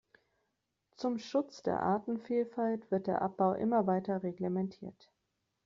Zum Schutz der Artenvielfalt wird der Abbau immer weiter reglementiert.